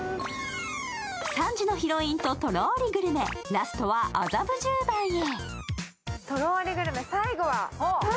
３時のヒロインととろりグルメラストは麻布十番へ。